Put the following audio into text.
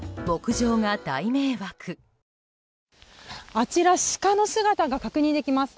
あちら、シカの姿が確認できます。